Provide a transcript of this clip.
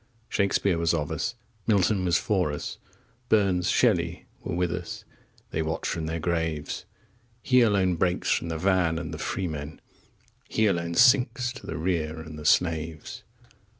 Shakespeare was of us, Milton was for us, Burns, Shelley, were with us they watch from their graves! He alone breaks from the van and the freemen, 15 He alone sinks to the rear and the slaves!